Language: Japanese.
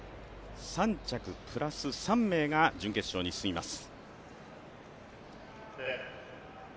３着プラス３名が準決勝に進みます。